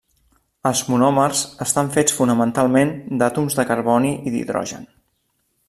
Els monòmers estan fets fonamentalment, d'àtoms de carboni i d'hidrogen.